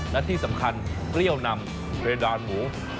และที่สำคัญเปรี้ยวนำเพดานหมู